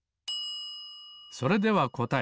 それではこたえ。